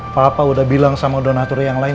papa udah bilang sama donatur yang lain